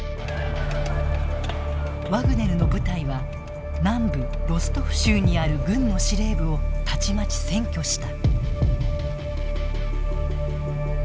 ワグネルの部隊は南部ロストフ州にある軍の司令部をたちまち占拠した。